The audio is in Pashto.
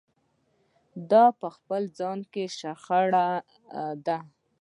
دا په خپل ځان کې شخړه ده.